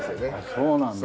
そうなんだ。